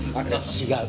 違う。